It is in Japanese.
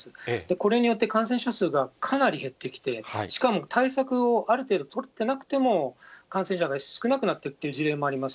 これによって感染者数がかなり減ってきて、しかも対策をある程度取ってなくても、感染者が少なくなっているという事例もあります。